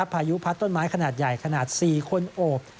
พายุพัดต้นไม้ขนาดใหญ่ขนาด๔คนโอบ